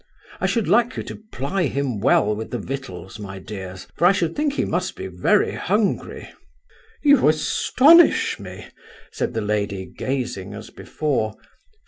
I should like you to ply him well with the victuals, my dears, for I should think he must be very hungry." "You astonish me," said the lady, gazing as before.